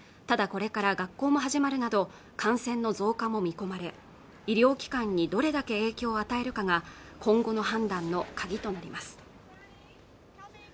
ただこれからは学校も始まるなど感染の増加も見込まれ医療機関にどれだけ影響を与えるかが今後の判断の鍵となります